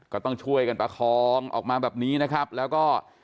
ก็ต้องช่วยกันประคองออกมาแบบนี้นะครับแล้วก็